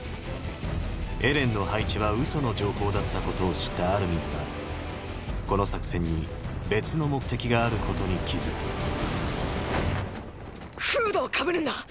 エレンの配置はうその情報だったことを知ったアルミンはこの作戦に別の目的があることに気付くフードをかぶるんだ深く。